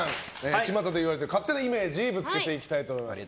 ちまたで言われている勝手なイメージぶつけていきたいと思います。